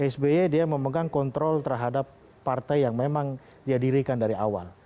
sby dia memegang kontrol terhadap partai yang memang dia dirikan dari awal